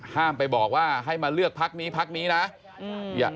ห้ามไปบอกว่าให้มาเลือกพักนี้พักนี้นะ